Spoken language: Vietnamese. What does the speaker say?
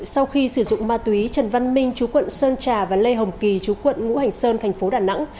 sau khi sử dụng ma túy trần văn minh chú quận sơn trà và lê hồng kỳ chú quận ngũ hành sơn thành phố đà nẵng